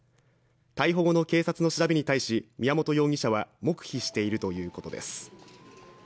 逮捕後の警察の調べに対し宮本容疑者は黙秘しているということです。